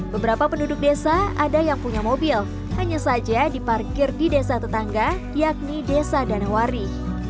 beberapa penduduk desa ada yang punya mobil hanya saja diparkir di desa tetangga yakni desa danawari